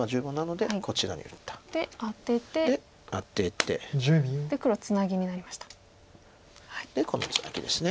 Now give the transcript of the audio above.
でこのツナギです。